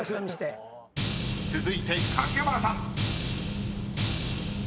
［続いて柏原さん］